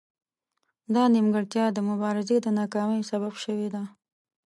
دا نیمګړتیا د مبارزې د ناکامۍ سبب شوې ده